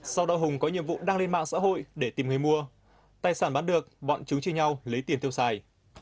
sau đó hùng có nhiệm vụ đăng lên mạng xã hội để tìm người mua tài sản bán được bọn chúng chia nhau lấy tiền tiêu xài